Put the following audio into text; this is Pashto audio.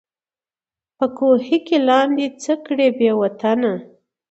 په کوهي کي لاندي څه کړې بې وطنه